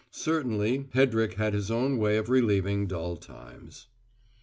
Certainly, Hedrick had his own way of relieving dull times.